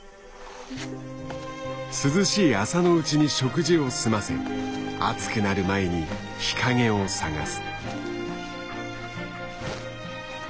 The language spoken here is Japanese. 涼しい朝のうちに食事を済ませ暑くなる前に日陰を探す。